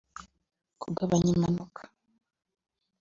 kugabanya impanuka